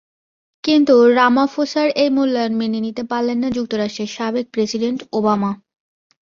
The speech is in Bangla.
কিন্তু রামাফোসার ওই মূল্যায়ন মেনে নিতে পারলেন না যুক্তরাষ্ট্রের সাবেক প্রেসিডেন্ট ওবামা।